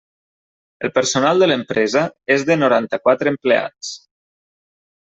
El personal de l'empresa és de noranta-quatre empleats.